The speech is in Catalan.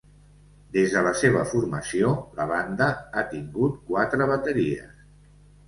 Des de la seva formació, la banda ha tingut quatre bateries.